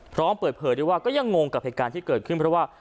พร้อมเปิดเผยด้วยว่าก็ยังงงกับเหตุการณ์ที่เกิดขึ้นเพราะว่า